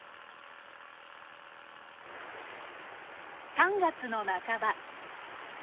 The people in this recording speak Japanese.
３月の半ば。